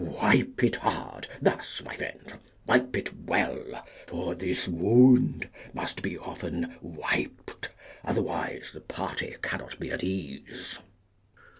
Wipe it hard, thus, my friend; wipe it well, for this wound must be often wiped, otherwise the party cannot be at ease.